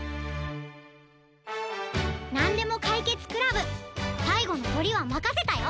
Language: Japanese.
なんでもかいけつクラブさいごのトリはまかせたよ！